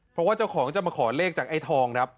เพราะว่าเจ้าของจะมาขอเลขจากไอ้ทองครับ